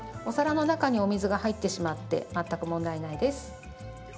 お皿の中にお水が入ってしまって全く問題ないです。